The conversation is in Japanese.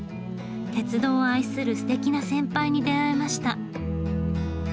鉄道を愛するすてきな先輩に出会えました。